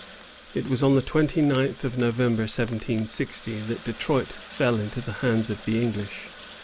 It was on the twenty ninth of November, 1760, that Detroit fell into the hands of the English.